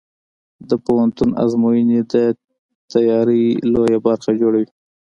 د پوهنتون ازموینې د تیاری لویه برخه جوړوي.